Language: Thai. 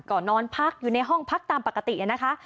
ก็นอนพักอยู่ในห้องพักตามปกตินะคะ